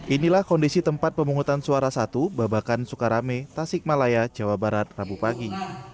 inilah kondisi tempat pemungutan suara satu babakan sukarame tasik malaya jawa barat rabu pagi